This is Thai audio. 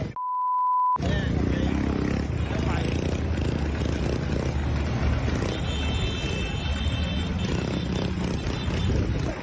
สวัสดีครับ